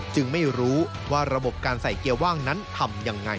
ไม่รู้ว่าระบบการใส่เกียร์ว่างนั้นทำยังไง